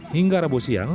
hingga rabu siang